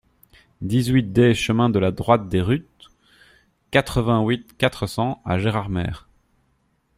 dix-huit D chemin de la Droite des Rupts, quatre-vingt-huit, quatre cents à Gérardmer